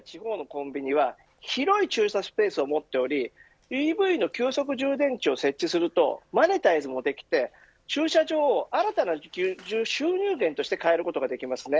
特に郊外や地方のコンビニは広い駐車スペースを持っておりＥＶの急速充電器を設置するとマネタイズもできて駐車場を新たな収入源に変えることができます。